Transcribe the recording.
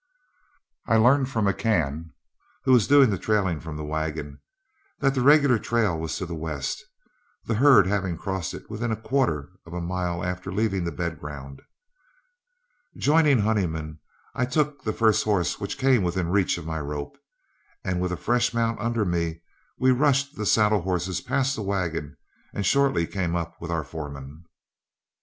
I learned from McCann, who was doing the trailing from the wagon, that the regular trail was to the west, the herd having crossed it within a quarter of a mile after leaving the bed ground. Joining Honeyman, I took the first horse which came within reach of my rope, and with a fresh mount under me, we rushed the saddle horses past the wagon and shortly came up with our foreman.